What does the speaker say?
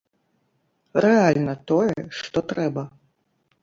Рэальна тое, што трэба.